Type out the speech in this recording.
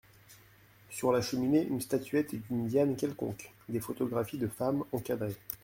Sur la cheminée, une statuette d’une Diane quelconque, des photographies de femmes, encadrées.